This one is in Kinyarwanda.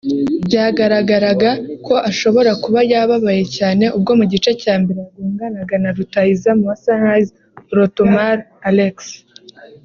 byagaragaraga ko ashobora kuba yababaye cyane ubwo mu gice cya mbere yagonganaga na rutahizamu wa Sunrise Orotomal Alex